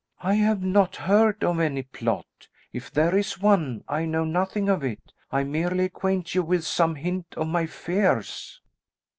"I have not heard of any plot. If there is one I know nothing of it. I merely acquaint you with some hint of my fears."